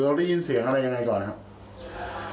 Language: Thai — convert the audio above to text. เราได้ยินเสียงอะไรอย่างไรก่อนครับ